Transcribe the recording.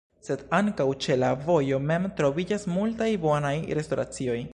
Sed ankaŭ ĉe la vojo mem troviĝas multaj bonaj restoracioj.